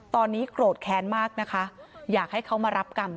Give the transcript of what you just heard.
ตอนนี้โกรธแค้นมากนะคะอยากให้เขามารับกรรม